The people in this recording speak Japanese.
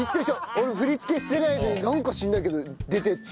俺も振り付けしてないのになんか知らないけど出ていって。